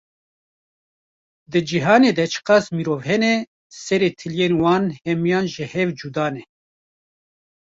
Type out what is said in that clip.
Di cîhanê de çiqas mirov hene, serê tiliyên wan hemiyan ji hev cuda ne!